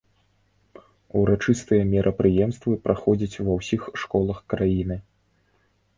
Урачыстыя мерапрыемствы праходзяць ва ўсіх школах краіны.